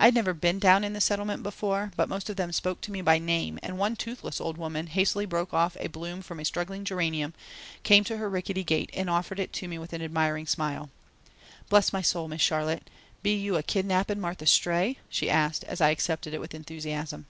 I had never been down in the Settlement before, but most of them spoke to me by name and one toothless old woman hastily broke off a bloom from a struggling geranium, came to her rickety gate and offered it to me with an admiring smile. "Bless my soul, Miss Charlotte, be you a kidnappin' Martha's Stray?" she asked, as I accepted it with enthusiasm.